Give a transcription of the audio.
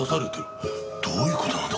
どういう事なんだ？